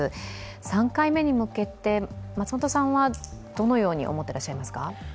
３回目に向けて、松本さんはどのように思っていらっしゃいますか？